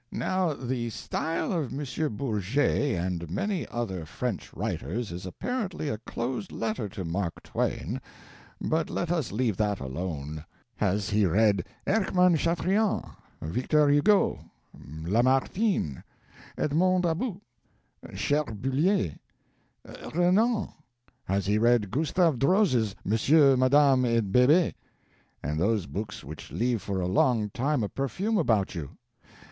["Now the style of M. Bourget and many other French writers is apparently a closed letter to Mark Twain; but let us leave that alone. Has he read Erckmann Chatrian, Victor Hugo, Lamartine, Edmond About, Cherbuliez, Renan? Has he read Gustave Droz's 'Monsieur, Madame, et Bebe', and those books which leave for a long time a perfume about you?